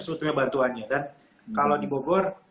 sebetulnya bantuannya dan kalau di bogor